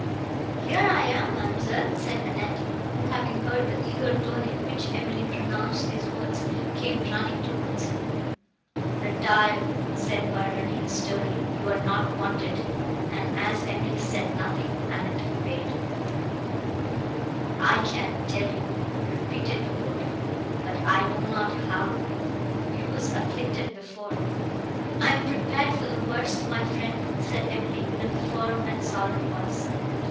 "Here I am, ma'amselle," said Annette, who, having heard the eager tone, in which Emily pronounced these words, came running towards her. "Retire!" said Barnardine, sternly; "you are not wanted;" and, as Emily said nothing, Annette obeyed. "I can tell you," repeated the porter,—"but I know not how—you were afflicted before.—" "I am prepared for the worst, my friend," said Emily, in a firm and solemn voice.